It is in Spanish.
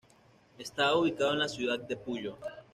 Está ubicado en la ciudad de Puyo.